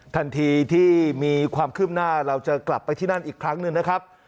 ทันทีที่มีความคืบหน้าเราจะกลับไปที่นั่นอีกครั้งหนึ่งนะครับ